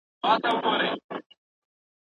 مجازي زده کړه له حضوري ټولګیو څومره اسانه ده؟